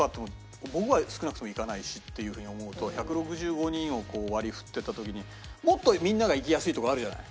僕は少なくとも行かないしっていう風に思うと１６５人を割り振っていった時にもっとみんなが行きやすい所あるじゃない？